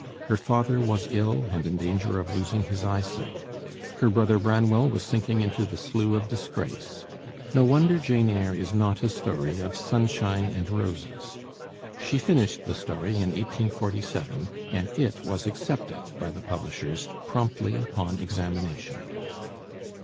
Her father was ill and in danger of losing his eyesight. Her brother Bran well was sinking into the slough of disgrace. No wonder 'Jane Eyre' is not a story of sunshine and roses. She finished the story in 1847, and it was accepted by the publishers promptly upon examination.